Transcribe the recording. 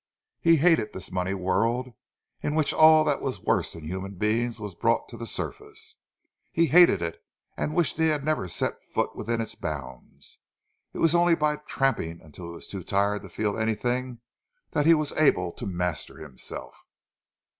He hated this money world, in which all that was worst in human beings was brought to the surface; he hated it, and wished that he had never set foot within its bounds. It was only by tramping until he was too tired to feel anything that he was able to master himself.